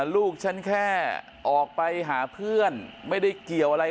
ลูกฉันแค่ออกไปหาเพื่อนไม่ได้เกี่ยวอะไร